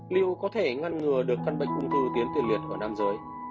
liệu có thể ngăn ngừa được căn bệnh ung thư tiến liệt ở nam giới